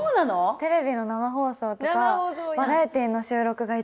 テレビの生放送とかバラエティの収録が一番怖い。